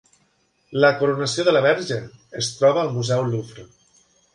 La "Coronació de la Verge" es troba al museu Louvre